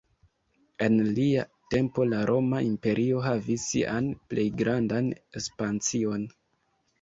En lia tempo la Roma Imperio havis sian plej grandan ekspansion.